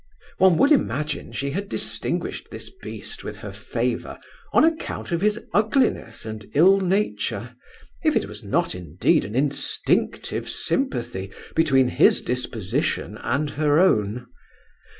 One would imagine she had distinguished this beast with her favour on account of his ugliness and ill nature, if it was not, indeed, an instinctive sympathy, between his disposition and her own.